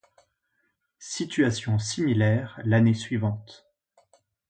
Situation similaire l'année suivante.